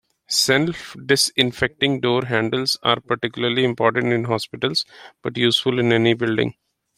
Self-disinfecting door handles are particularly important in hospitals, but useful in any building.